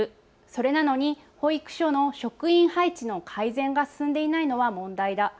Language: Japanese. それなのに保育所の職員配置の改善が進んでいないのは問題だ。